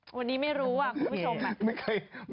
วันนี้ไม่รู้อ่ะคุณผู้ชม